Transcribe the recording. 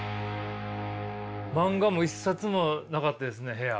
漫画も一冊もなかったですね部屋。